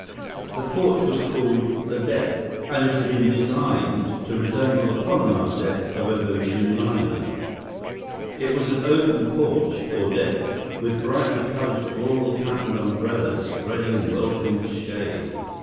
The porch was called the "deck," and it had been designed to resemble the promenade deck of an ocean liner. It was an open porch, or deck, with brightly colored floral patterned umbrellas spreading welcome shade.